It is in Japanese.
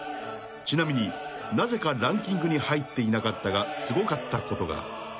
［ちなみになぜかランキングに入っていなかったがすごかったことが］